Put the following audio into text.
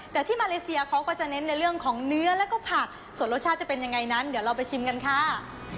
แต่ที่มาเลเซียเขาก็จะเน้นในเรื่องของเนื้อแล้วก็ผักส่วนรสชาติจะเป็นยังไงนั้นเดี๋ยวเราไปชิมกันค่ะ